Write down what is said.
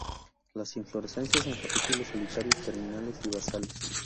Las inflorescencias en capítulos solitarios, terminales y basales.